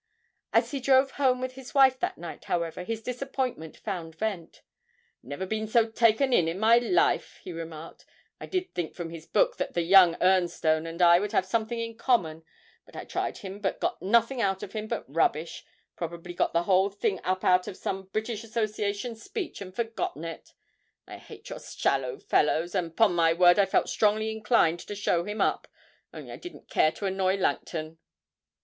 As he drove home with his wife that night, however, his disappointment found vent: 'Never been so taken in in my life,' he remarked; 'I did think from his book that that young Ernstone and I would have something in common; but I tried him but got nothing out of him but rubbish; probably got the whole thing up out of some British Association speech and forgotten it! I hate your shallow fellows, and 'pon my word I felt strongly inclined to show him up, only I didn't care to annoy Langton!'